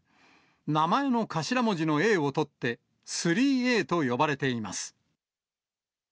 名前の頭文字のＡを取って、３Ａと呼ばれています。